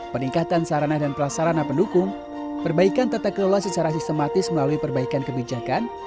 peningkatan sarana dan prasarana pendukung perbaikan tata kelola secara sistematis melalui perbaikan kebijakan